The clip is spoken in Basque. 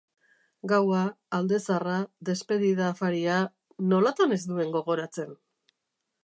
Gaua, alde zaharra, despedida afaria.. nolatan ez nuen gogoratzen?